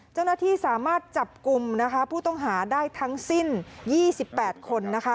เจ้าหน้าที่สามารถจับกลุ่มนะคะผู้ต้องหาได้ทั้งสิ้น๒๘คนนะคะ